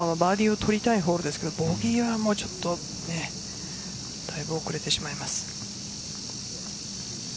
１６番はバーディーを取りたいホールですけどボギーはだいぶ遅れてしまいます。